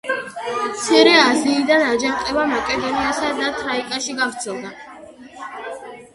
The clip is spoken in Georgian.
მცირე აზიიდან აჯანყება მაკედონიასა და თრაკიაში გავრცელდა.